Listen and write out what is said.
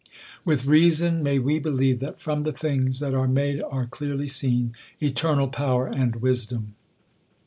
With reason may we believe, that from the things that are made are clearly seen eternal power and wisdom.